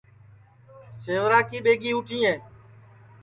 سیورا کی ٻیگی اُٹھیں